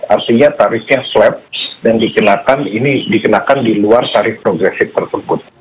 artinya tarifnya swab dan dikenakan ini dikenakan di luar tarif progresif tersebut